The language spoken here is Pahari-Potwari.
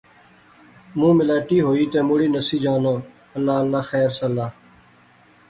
مونہہ میلاٹی ہوئی تہ مڑی نسی جانا، اللہ اللہ خیر سلا